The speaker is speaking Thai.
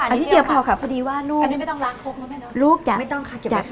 อันนี้เดี๋ยวพอค่ะเพราะดีว่าลูกจะไม่ทานมันนะคะ